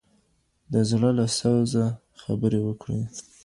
د زړه له سوزه خبره وکړئ.